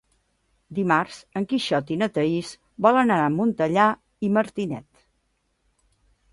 Dimarts en Quixot i na Thaís volen anar a Montellà i Martinet.